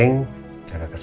gak ada apa apa